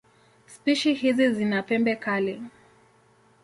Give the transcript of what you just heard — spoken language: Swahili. Spishi hizi zina pembe kali.